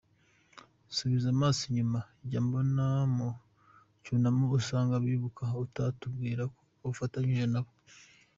Subiza amaso inyuma, njya mbona mu cyunamo usanga abibuka, ukatubwira ko ufatanyije na bo!